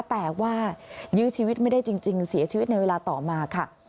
แต่ว่ายื้อชีวิตไม่ได้จริงเสียชีวิตในเวลาต่อมาค่ะ